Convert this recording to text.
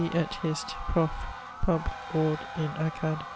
et Hist. prof. publ. ord. in Acad.